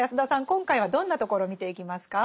今回はどんなところを見ていきますか？